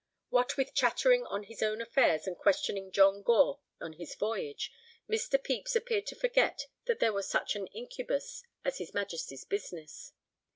What with chattering on his own affairs and questioning John Gore on his voyage, Mr. Pepys appeared to forget that there was such an incubus as his Majesty's business.